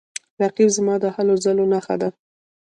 رقیب زما د هلو ځلو نښه ده